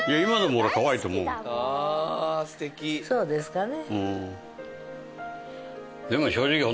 そうですかね。